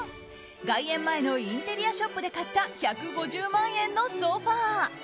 外苑前のインテリアショップで買った、１５０万円のソファ。